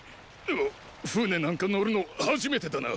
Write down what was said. うわ舟なんか乗るの初めてだな。